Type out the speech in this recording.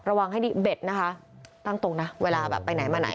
ระวังให้ดีเบ็ดนะคะตั้งตรงนะเวลาแบบไปไหนมาไหน